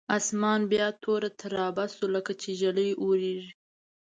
اسمان بیا توره ترامبه شو لکچې ږلۍ اورېږي.